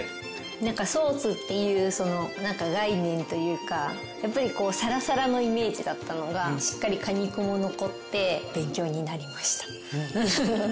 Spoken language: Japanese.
なんかソースっていう概念というかやっぱりサラサラのイメージだったのがしっかり果肉も残って勉強になりました。